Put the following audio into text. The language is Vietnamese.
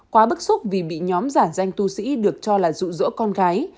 quá bức xúc vì bị nhóm giả danh tu sĩ được cho là rụ rỗ con gái